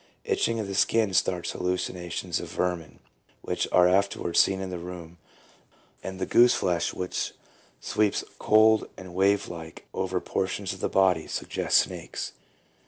Itching of the skin starts hallucinations of vermin, which are afterwards seen in the room, and the goose flesh which sweeps cold and wave like over portions of the body suggests snakes.